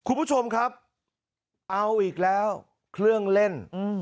คุณผู้ชมครับเอาอีกแล้วเครื่องเล่นอืม